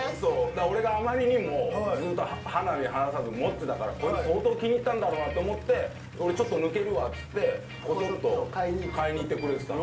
俺があまりにもずーっと肌身離さず持ってたからこいつ相当気に入ったんだろうなって思って「俺ちょっと抜けるわ」っつってこそっと買いに行ってくれてたの。